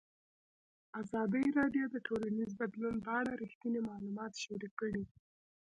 ازادي راډیو د ټولنیز بدلون په اړه رښتیني معلومات شریک کړي.